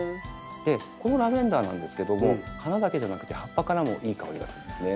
このラベンダーなんですけども花だけじゃなくて葉っぱからもいい香りがするんですね。